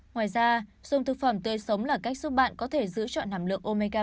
ngoài ra dùng thực phẩm tươi sống là cách giúp bạn có thể giữ chọn nắm lượng omega ba